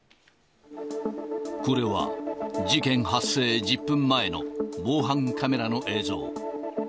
これは事件発生１０分前の防犯カメラの映像。